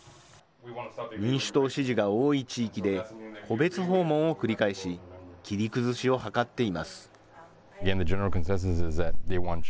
民主党支持が多い地域で、戸別訪問を繰り返し、切り崩しを図っています。